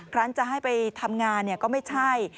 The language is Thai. ครั้งจะให้ไปทำงานก็ไม่ใช่